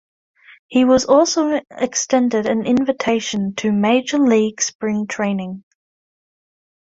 He was also extended an invitation to Major League spring training.